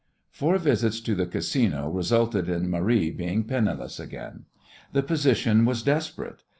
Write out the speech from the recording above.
Four visits to the Casino resulted in Marie being penniless again. The position was desperate.